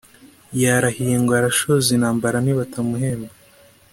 yarahiye ngo arashoza intambara nibatamuhemba